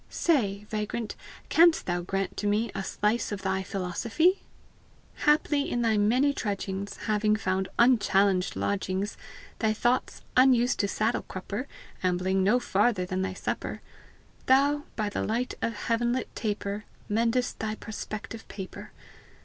Say, vagrant, can'st thou grant to me A slice of thy philosophy? Haply, in thy many trudgings, Having found unchallenged lodgings, Thy thoughts, unused to saddle crupper, Ambling no farther than thy supper Thou, by the light of heaven lit taper, Mendest thy prospective paper!